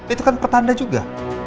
itu kan petanda juga